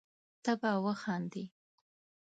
ته به وخاندي